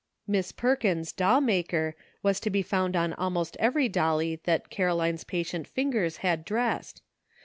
"Miss Perkins, Doll maker," was to be found on almost every dollie that Caroline's patient fingers had dressed.